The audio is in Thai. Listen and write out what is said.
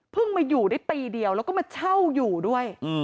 มาอยู่ได้ปีเดียวแล้วก็มาเช่าอยู่ด้วย